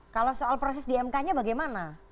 kalau soal proses dmk nya bagaimana